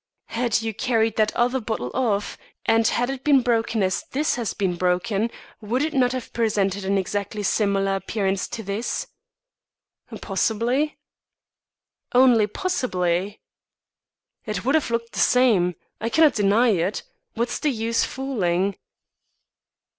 "Had you carried that other bottle off, and had it been broken as this has been broken would it not have presented an exactly similar appearance to this?" "Possibly." "Only possibly?" "It would have looked the same. I cannot deny it. What's the use fooling?"